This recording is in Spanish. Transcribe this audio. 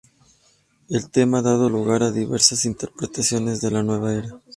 El tema ha dado lugar a diversas interpretaciones de la nueva era.